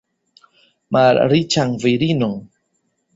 Malriĉan virinon!